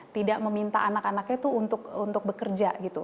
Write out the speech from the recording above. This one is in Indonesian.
tidak meminta anak anaknya untuk bekerja